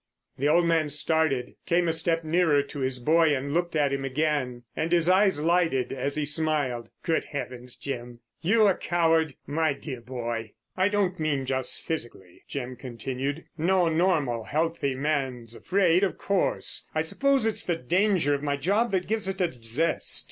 The old man started, came a step nearer to his boy and looked at him again. And his eyes lighted as he smiled. "Good heavens, Jim, you a coward! My dear boy!" "I don't mean just physically," Jim continued. "No normal, healthy man's afraid, of course. I suppose it's the danger of my job that gives it a zest.